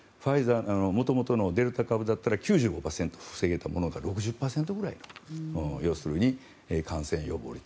元々のデルタ株だったら９５％防げたものが６０％ぐらい要するに感染予防率